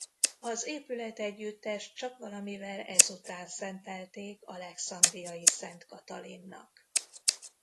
Az épületegyüttest csak valamivel ezután szentelték Alexandriai Szent Katalinnak.